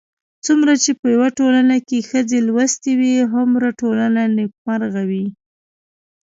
څومره چې په يوه ټولنه کې ښځې لوستې وي، هومره ټولنه نېکمرغه وي